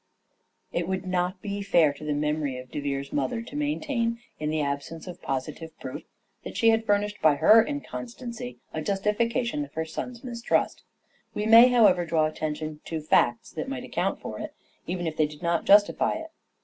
It would not be fair to the memory of De Vere's Oxford and mother to maintain, in the absence of positive proof, that she had furnished by her inconstancy a justifica tion of her son's mistrust. We may, however, draw attention to facts that might account for it, even if they did not justify it.